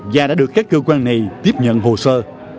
và đã được các cơ quan này tiếp nhận hồ sơ